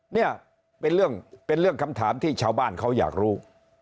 นี่เป็นเรื่องเป็นเรื่องคำถามที่ชาวบ้านเขาอยากรู้